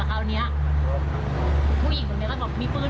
เขาบอกว่ายังไม่เคยปืน